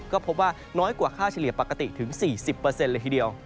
ก็พบว่าน้อยกว่าค่าเฉลี่ยปกติถึง๔๐เลยทีเดียว